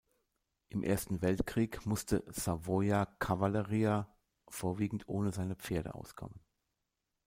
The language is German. Im Ersten Weltkrieg musste "Savoia Cavalleria" vorwiegend ohne seine Pferde auskommen.